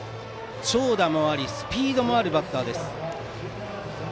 長打もありスピードもあるバッター。